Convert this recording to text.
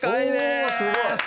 おすごい！